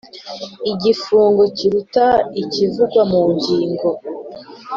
Igifungo kiruta ikivugwa mu ngingo